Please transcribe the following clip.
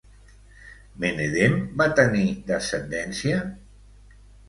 Menedem va tenir descendència?